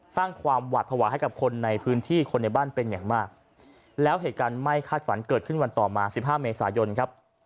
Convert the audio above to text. สร้างความหวาดภาวะให้กับคนในพื้นที่คนในบ้านเป็นอย่างมากแล้วเหตุการณ์ไม่คาดฝันเกิดขึ้นวันต่อมาสิบห้าเมษายนครับ